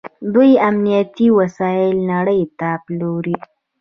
دوی امنیتي وسایل نړۍ ته پلوري.